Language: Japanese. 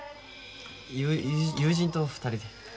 ゆ友人と２人で。